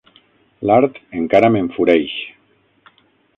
L'art encara m'enfureix.